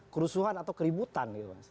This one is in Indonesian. kerusuhan atau keributan